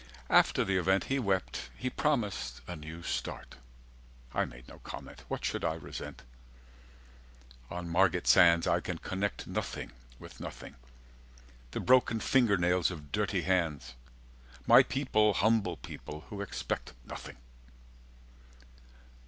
After the event He wept. He promised 'a new start'. I made no comment. What should I resent?" "On Margate Sands. 300 I can connect Nothing with nothing. The broken fingernails of dirty hands. My people humble people who expect Nothing."